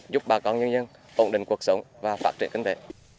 giúp bà con nhân dân ổn định cuộc sống và phát triển kinh tế